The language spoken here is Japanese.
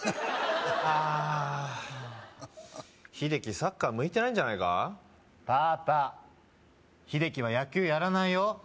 ああヒデキサッカー向いてないんじゃないかパパヒデキは野球やらないよ